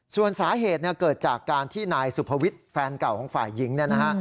ส่วนสาเหตุเกิดจากการที่นายสุภวิทย์แฟนเก่าของฝ่ายหญิง